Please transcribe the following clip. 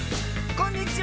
こんにちは。